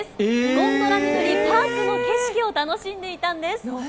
ゴンドラに乗り、パークの景色を楽しんでいたんです。